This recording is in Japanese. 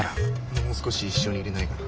もう少し一緒にいれないかな？